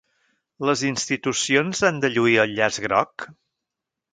Les institucions han de lluir el llaç groc?